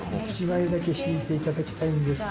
１枚だけ引いていただきたいんです。